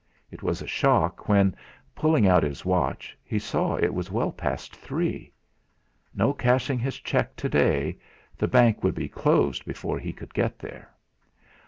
It was a shock when, pulling out his watch, he saw it was well past three. No cashing his cheque to day the bank would be closed before he could get there.